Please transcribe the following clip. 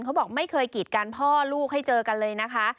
เขาบอกไม่เคยกีดกันพ่อลูกให้เจอกันเลยนะคะ